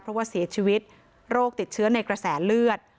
เพราะว่าเสียชีวิตโรคติดเชื้อในกระแสเลือด